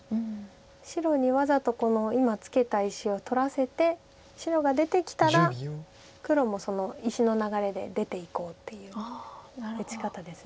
白にわざとこの今ツケた石を取らせて白が出てきたら黒もその石の流れで出ていこうっていう打ち方です。